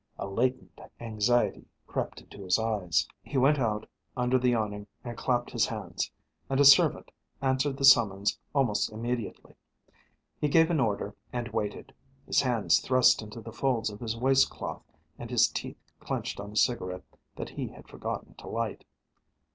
A latent anxiety crept into his eyes. He went out under the awning and clapped his hands, and a servant answered the summons almost immediately. He gave an order and waited, his hands thrust into the folds of his waist cloth and his teeth clenched on a cigarette that he had forgotten to light.